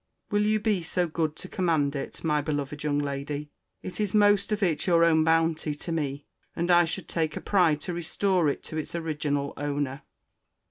—Will you be so good to command it, my beloved young lady?—It is most of it your own bounty to me. And I should take a pride to restore it to its original owner.